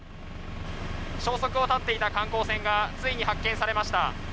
消息を絶っていた観光船がついに発見されました。